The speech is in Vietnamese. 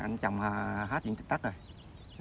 anh chồng hết viện trích tắt rồi